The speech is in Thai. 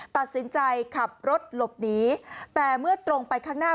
ตัดสินใจขับรถหลบหนีแต่เมื่อตรงไปข้างหน้า